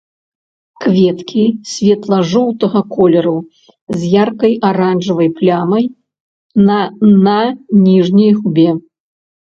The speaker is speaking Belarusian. Кветкі светла-жоўтага колеру, з яркай аранжавай плямай на на ніжняй губе.